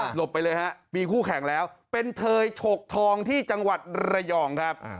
หลบไปเลยฮะมีคู่แข่งแล้วเป็นเทยฉกทองที่จังหวัดระยองครับ